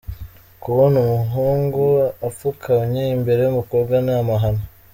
Kubona umuhungu apfukamye imbere y’umukobwa ni amahano.